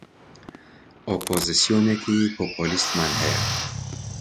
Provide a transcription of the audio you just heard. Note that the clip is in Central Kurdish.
ئۆپۆزسیۆنێکی پۆپۆلیستمان هەیە